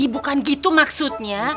bukan gitu maksudnya